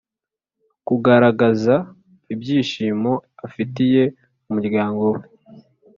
-kugaragaza ibyishimo afitiye umuryango we